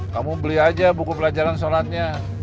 kamu beli aja buku pelajaran sholatnya